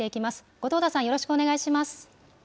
後藤田さん、よろしくお願いします。